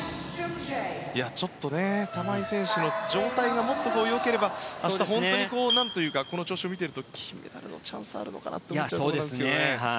ちょっと玉井選手の状態がもっと良ければこの調子を見ていると金メダルのチャンスあるのかなと見ちゃうんですが。